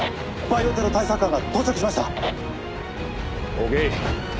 バイオテロ対策班が到着しました。